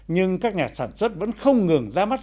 nhưng các nhà sản xuất vẫn không ngừng ra mắt